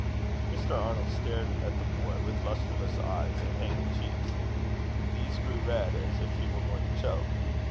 Mr. Arnold stared at the boy with lustreless eyes and hanging checks. These grew red, as if he were going to choke.